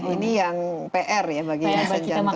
ini yang pr ya bagi pasien jantung